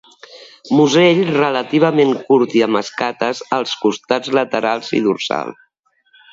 Musell relativament curt i amb escates als costats laterals i dorsal.